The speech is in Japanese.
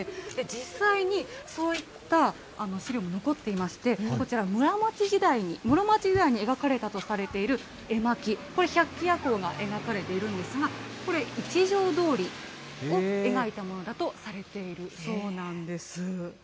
実際に、そういった史料も残っていまして、こちら、室町時代に描かれたとされている絵巻、これ、百鬼夜行が描かれているんですが、これ、一条通を描いたものだとされているそうなんです。